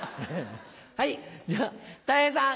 じゃあたい平さん。